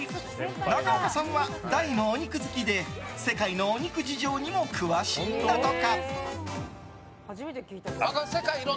中岡さんは大のお肉好きで世界のお肉事情にも詳しいんだとか。